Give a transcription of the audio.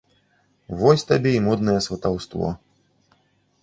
Вось табе і моднае сватаўство.